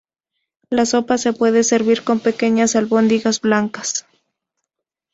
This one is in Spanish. La sopa se puede servir con pequeñas albóndigas blancas.